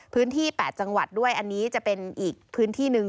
๘จังหวัดด้วยอันนี้จะเป็นอีกพื้นที่หนึ่ง